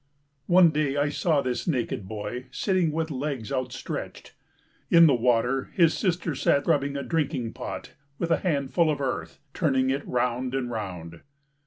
One day I saw this naked boy sitting with legs outstretched. In the water his sister sat rubbing a drinking pot with a handful of earth, turning it round and round.